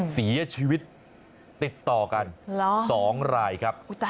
เสียชีวิตติดต่อกัน๒รายครับ